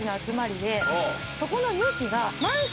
そこの主が。